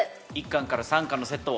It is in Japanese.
１巻から３巻のセットを。